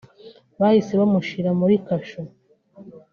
bahise bamushyira muri kasho